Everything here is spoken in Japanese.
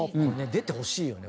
出てほしいよね